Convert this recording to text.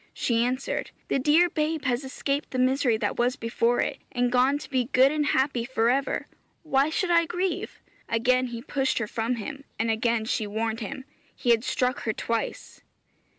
She answered, 'The dear babe has escaped the misery that was before it, and gone to be good and happy for ever. Why should I grieve?' Again he pushed her from him, and again she warned him; he had struck her twice.